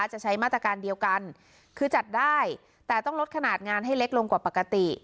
จะใช้มาตรการเดียวกันคือจัดได้แต่ต้องลดขนาดงานให้เล็กลงกว่าปกติ